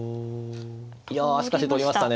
いやしかし取りましたね。